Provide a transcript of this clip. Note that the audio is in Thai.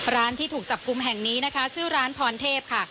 ที่ถูกจับกลุ่มแห่งนี้นะคะชื่อร้านพรเทพค่ะ